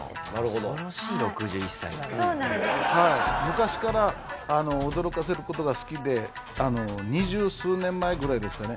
昔から驚かせる事が好きで二十数年前ぐらいですかね。